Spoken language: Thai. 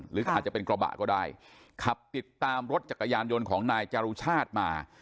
อาจจะเป็นกระบะก็ได้ขับติดตามรถจักรยานยนต์ของนายจรุชาติมา